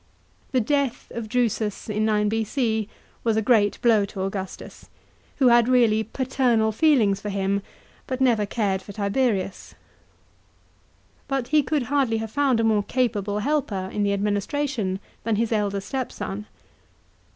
The death of Drusus in 9 B.C. was a great blow to Augustus, who had really "paternal feelings" for him but never cared for Tiberius But he could hardly have found a more capable helper in the administration than his elder stepson.